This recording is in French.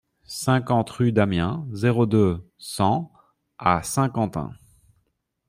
cinquante-cinq rue d'Amiens, zéro deux, cent à Saint-Quentin